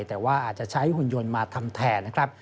แต่ว่าอาจจะใช้หุ่นยนต์มาทำแทนนะครับ